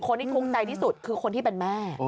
คนที่ทุกข์ใจที่สุดคือคนที่เป็นแม่